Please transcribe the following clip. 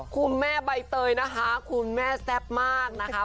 คุณแม่ใบเตยนะคะคุณแม่แซ่บมากนะคะ